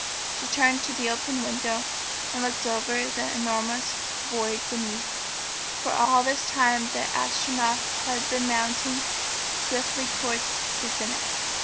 She turned to the open window and looked over into the enormous void beneath, for all this time the Astronef had been mounting swiftly towards the zenith.